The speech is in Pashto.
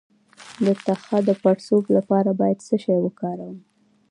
د تخه د پړسوب لپاره باید څه شی وکاروم؟